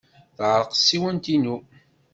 Teɛreq tsiwant-inu.